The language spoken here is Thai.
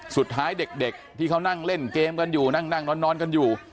สุดท้ายเด็กที่เขานั่งเล่นเกมกันอยู่นั่งนอนกันอยู่